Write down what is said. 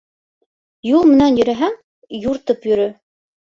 Юл менән йөрөһәң, юртып йөрө;